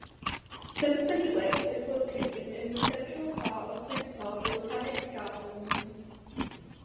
Symphony Lake is located in the Central Core of Singapore Botanic Gardens.